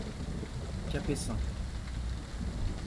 Cape St.